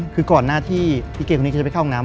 คือก่อนหน้าที่พี่เกดคนนี้ก็จะไปเข้าห้องน้ำ